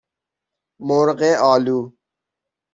مرغ آلو